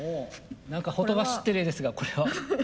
何かほとばしってる絵ですがこれは？